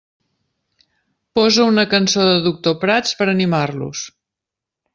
Posa una cançó de Doctor Prats per animar-los.